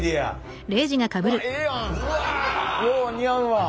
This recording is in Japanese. よう似合うわ。